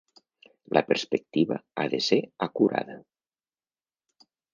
La perspectiva ha de ser acurada.